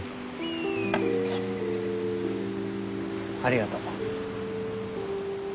ありがとう。